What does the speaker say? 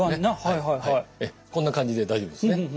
こんな感じで大丈夫ですね。